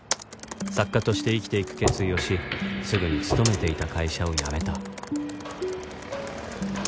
作家として生きていく決意をしすぐに勤めていた会社を辞めた